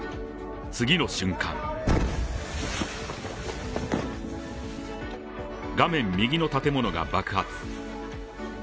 次の瞬間画面右の建物が爆発。